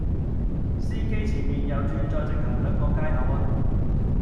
司機前面右轉再直行兩個街口吖